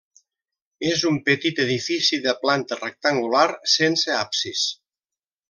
És un petit edifici de planta rectangular, sense absis.